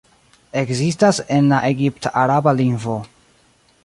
Ekzistas en la egipt-araba lingvo.